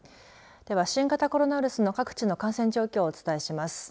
では、新型コロナウイルスの各地の感染状況をお伝えします。